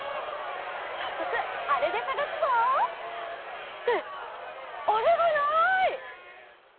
さっそくあれでさがすぞ！ってあれがない！